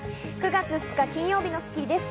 ９月２日、金曜日の『スッキリ』です。